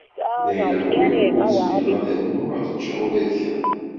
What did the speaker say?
Dayen ṛwiɣ, ur zmireɣ ad rnuɣ ad ččeɣ ula d kra.